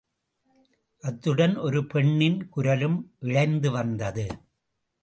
அத்துடன் ஒரு பெண்ணின் குரலும் இழைந்து வந்தது.